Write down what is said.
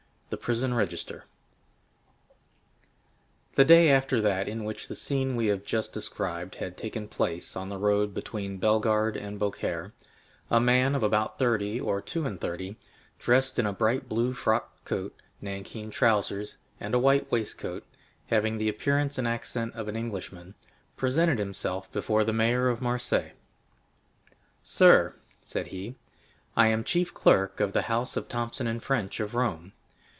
The Prison Register The day after that in which the scene we have just described had taken place on the road between Bellegarde and Beaucaire, a man of about thirty or two and thirty, dressed in a bright blue frock coat, nankeen trousers, and a white waistcoat, having the appearance and accent of an Englishman, presented himself before the mayor of Marseilles. "Sir," said he, "I am chief clerk of the house of Thomson & French, of Rome.